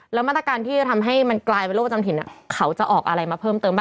แล้วมาตรการที่จะทำให้มันกลายเป็นโรคประจำถิ่นเขาจะออกอะไรมาเพิ่มเติมบ้าง